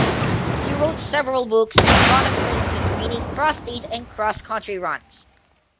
He wrote several books chronicling his many cross-state and cross-country runs.